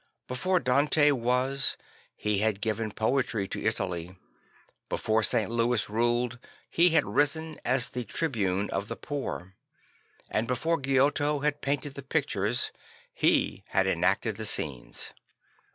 Before Dante was, he had given poetry to Italy; before St. Louis ruled, he had risen as the tribune of the poor; and before Giotto had painted the pictures, he had enacted the scenes.